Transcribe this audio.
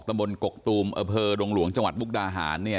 บนกกตูมอำเภอดงหลวงจังหวัดมุกดาหารเนี่ย